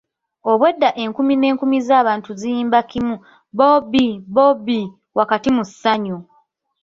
Obwedda enkumi n'enkumi z'abantu ziyimba kimu “Bobi Bobi” wakati mu ssanyu.